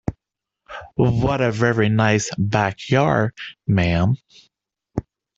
What a very nice backyard, ma'am!